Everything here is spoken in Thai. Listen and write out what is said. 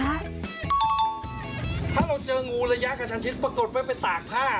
ถ้าเราเจองูระยะกระชันชิดปรากฏว่าไปตากผ้า